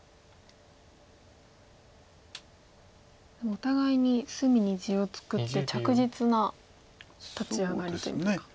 お互いに隅に地を作って着実な立ち上がりというか。